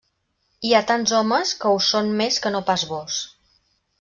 Hi ha tants homes que ho són més que no pas vós.